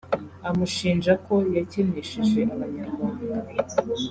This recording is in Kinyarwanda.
amushinja ko yakenesheje abanyarwanda